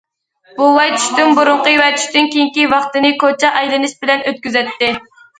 بوۋاي چۈشتىن بۇرۇنقى ۋە چۈشتىن كېيىنكى ۋاقتىنى كوچا ئايلىنىش بىلەن ئۆتكۈزەتتى.